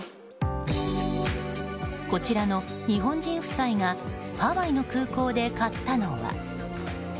こちらの日本人夫妻がハワイの空港で買ったのは。